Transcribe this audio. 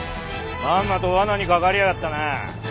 まんまと罠にかかりやがったな。